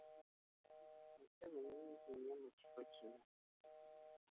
Empewo nyingi nyo mu kifo kino.